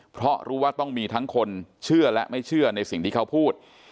เพราะรู้ว่าต้องมีทั้งคนเชื่อและไม่เชื่อในสิ่งที่เขาพูด